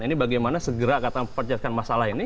ini bagaimana segera katakan percetkan masalah ini